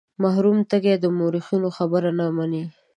مرحوم تږی د مورخینو خبره نه مني.